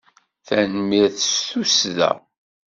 Tanemmirt s tussda.